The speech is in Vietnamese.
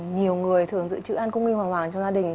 nhiều người thường giữ chữ an cung nghi hoàng hoàng trong gia đình